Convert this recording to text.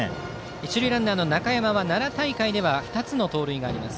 一塁ランナーの中山は奈良大会では２つの盗塁。